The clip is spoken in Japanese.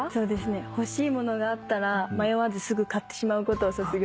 欲しいものがあったら迷わずすぐ買ってしまうことを卒業したいです。